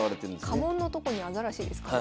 家紋のとこにアザラシですか。